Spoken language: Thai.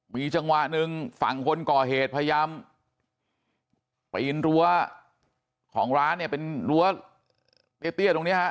มีจังหวะหนึ่งฝั่งคนก่อเหตุพยายามปีนรั้วของร้านเนี่ยเป็นรั้วเตี้ยตรงนี้ฮะ